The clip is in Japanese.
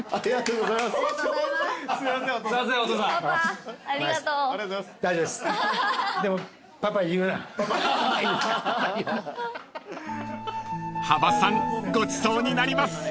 ごちそうになります］